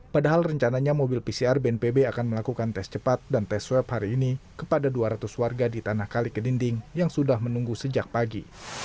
padahal rencananya mobil pcr bnpb akan melakukan tes cepat dan tes swab hari ini kepada dua ratus warga di tanah kali kedinding yang sudah menunggu sejak pagi